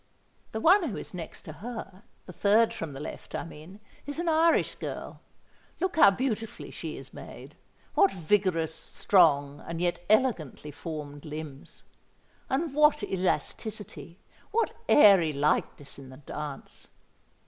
"The one who is next to her—the third from the left, I mean—is an Irish girl. Look how beautifully she is made. What vigorous, strong, and yet elegantly formed limbs! And what elasticity—what airy lightness in the dance!